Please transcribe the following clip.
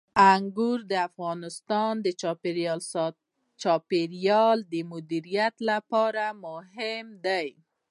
انګور د افغانستان د چاپیریال د مدیریت لپاره مهم دي.